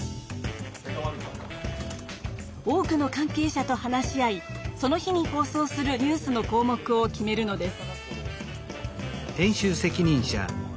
多くの関係者と話し合いその日に放送するニュースの項目を決めるのです。